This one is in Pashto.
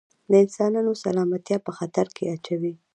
د انسانانو سلامتیا په خطر کې اچوي.